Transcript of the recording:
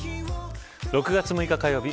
６月６日火曜日